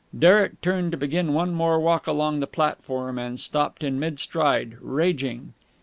Derek turned to begin one more walk along the platform, and stopped in mid stride, raging.